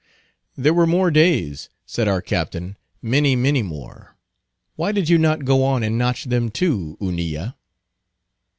"There were more days," said our Captain; "many, many more; why did you not go on and notch them, too, Hunilla?"